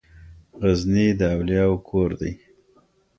غزني د اولياوو کور دی.